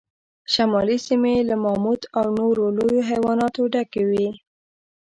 شمالي سیمې له ماموت او نورو لویو حیواناتو ډکې وې.